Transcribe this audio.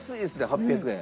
８００円。